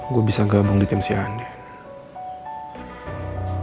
gue bisa gabung di tim si andi